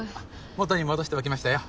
元に戻しておきましたよ。